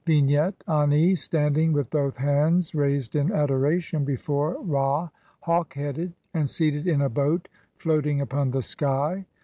] Vignette : Ani standing, with both hands raised in adoration, before Ra, hawk headed, and seated in a boat floating upon the sky.